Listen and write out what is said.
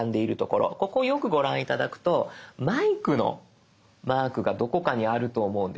ここをよくご覧頂くとマイクのマークがどこかにあると思うんです。